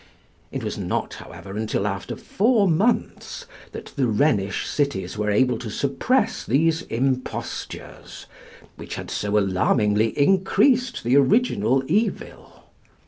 It was not, however, until after four months that the Rhenish cities were able to suppress these impostures, which had so alarmingly increased the original evil.